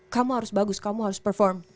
kamu harus bagus kamu harus perform